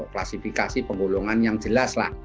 klasifikasi penggolongan yang jelas lah